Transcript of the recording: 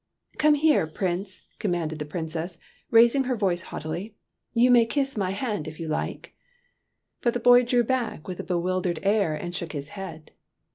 " Come here, Prince," commanded the Princess, raising her voice haughtily; "you may kiss my hand if you like." But the boy drew back with a bewildered air and shook his head.